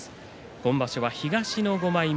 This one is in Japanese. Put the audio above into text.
今場所、東の５枚目